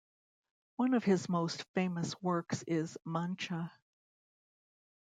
One of his most famous works is "Mancha".